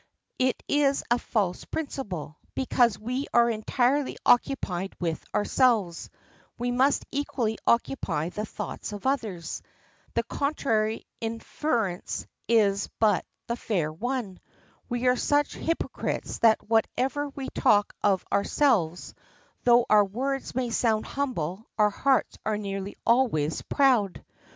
It is a false principle, because we are entirely occupied with ourselves, we must equally occupy the thoughts of others. The contrary inference is but the fair one. We are such hypocrites that whatever we talk of ourselves, though our words may sound humble, our hearts are nearly always proud.